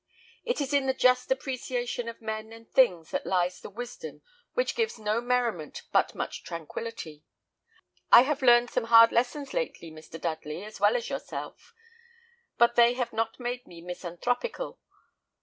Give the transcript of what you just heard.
It is in the just appreciation of men and things that lies the wisdom which gives no merriment but much tranquillity. I have learned some hard lessons lately, Mr. Dudley as well as yourself; but they have not made me misanthropical.